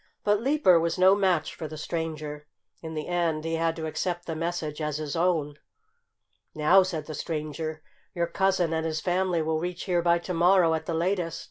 But Leaper was no match for the stranger. In the end he had to accept the message as his own. "Now," said the stranger, "your cousin and his family will reach here by to morrow at the latest.